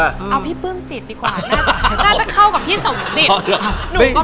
เอาพี่ปลื้มจิตดีกว่า